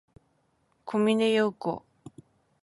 小峰洋子